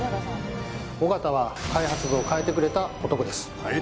緒方は開発部を変えてくれた男です